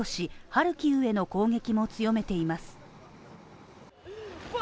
ハルキウへの攻撃も強めています。